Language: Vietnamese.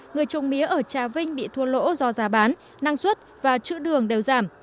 người trồng mía ở trà vinh bị thua lỗ do giá bán năng suất và chữ đường đều giảm